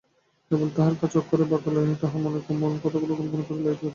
কেবল তাহার কাঁচা অক্ষরে বাঁকা লাইনে তাহার মনের কোমল কথাগুলি কল্পনা করিয়া লইতে হইবে।